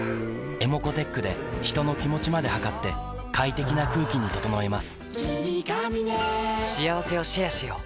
ｅｍｏｃｏーｔｅｃｈで人の気持ちまで測って快適な空気に整えます